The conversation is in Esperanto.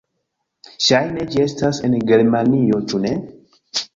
Ŝajne ĝi estas en Germanio, ĉu ne?